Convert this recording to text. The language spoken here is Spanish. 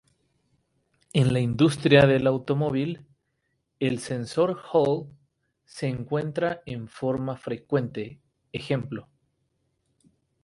En la industria del automóvil el sensor Hall se utiliza de forma frecuente, ej.